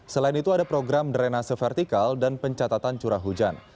selain itu ada program drenase vertikal dan pencatatan curah hujan